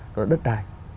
đó là đất đài